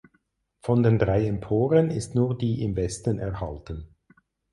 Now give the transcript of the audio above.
Von den drei Emporen ist nur die im Westen erhalten.